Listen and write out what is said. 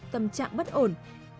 tâm trạng bất ổn